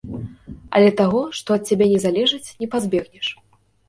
Але таго, што ад цябе не залежыць, не пазбегнеш.